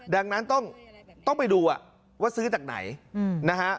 ดังนั้นต้องไปดูว่าซื้อจากไหนนะฮะ